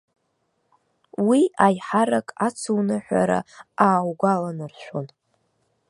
Уи аиҳарак ацуныҳәара ааугәаланаршәон.